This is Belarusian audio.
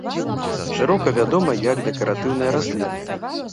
Шырока вядома як дэкаратыўная расліна.